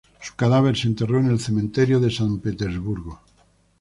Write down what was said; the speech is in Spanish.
Su cadáver se enterró en el cementerio de San Petersburgo.